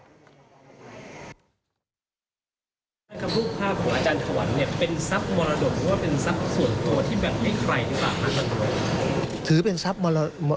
รูปภาพของอาจารย์ถวันเป็นทรัพย์มรดด